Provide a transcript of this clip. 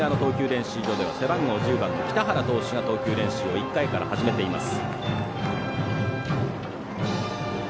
練習場では背番号１０番、北原投手が１回から始めています。